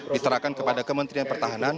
diserahkan kepada kementerian pertahanan